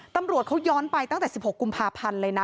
ตำรวจเขาย้อนไปตั้งแต่๑๖กุมภาพันธ์เลยนะ